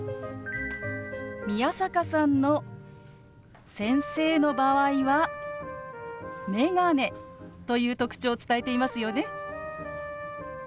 宮坂さんの先生の場合は「メガネ」という特徴を伝えていますよね。